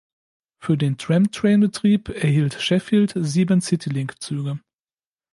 Für den Tram-train-Betrieb erhielt Sheffield sieben Citylink-Züge.